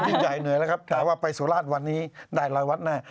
ยิ่งใหญ่เหนื่อยแล้วครับแต่ว่าไปสุราชวันนี้ได้รายวัดแน่